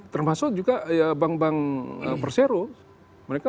termasuk juga bank bank persero